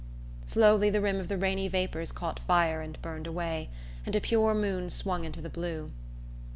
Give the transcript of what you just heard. Slowly the rim of the rainy vapours caught fire and burnt away, and a pure moon swung into the blue.